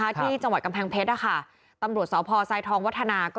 ที่จังหวัดกำแพงเพชรนะคะตำรวจสพทรายทองวัฒนาก็